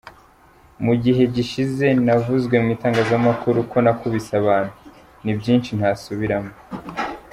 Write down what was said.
Mu gihe gishize navuzwe mu itangazamakuru ko nakubise abantu, ni byinshi ntasubiramo…”.